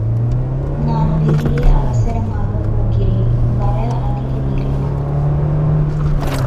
நான் வெளியே அவசரமாகப் போகிறேன், வர அதிக நேரமாகுமே!